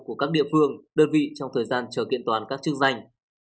của các địa phương đơn vị trong thời gian chờ kiện toàn các chức danh